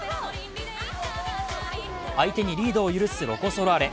相手にリードを許すロコ・ソラーレ。